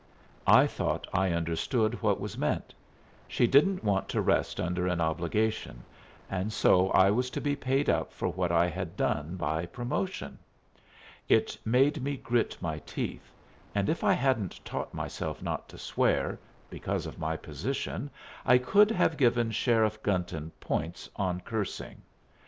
I thought I understood what was meant. She didn't want to rest under an obligation, and so I was to be paid up for what I had done by promotion. It made me grit my teeth, and if I hadn't taught myself not to swear, because of my position, I could have given Sheriff Gunton points on cursing.